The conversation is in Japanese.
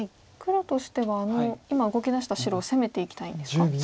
黒としてはあの今動きだした白を攻めていきたいんですか？